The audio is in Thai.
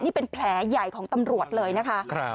นี่เป็นแผลใหญ่ของตำรวจเลยนะคะ